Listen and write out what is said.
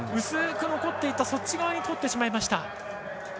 薄く残っていた、そっち側に通ってしまいました。